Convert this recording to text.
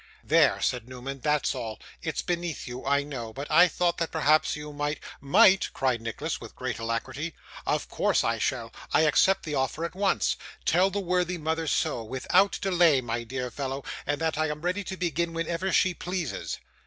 'There,' said Newman, 'that's all. It's beneath you, I know; but I thought that perhaps you might ' 'Might!' cried Nicholas, with great alacrity; 'of course I shall. I accept the offer at once. Tell the worthy mother so, without delay, my dear fellow; and that I am ready to begin whenever she pleases.